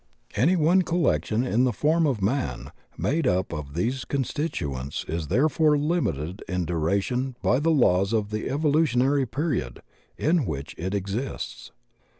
Any one collection in the form of man made up of these constituents is therefore limited in dura tion by the laws of the evolutionary period in which it exists.